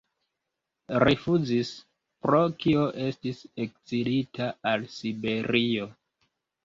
Rifuzis, pro kio estis ekzilita al Siberio.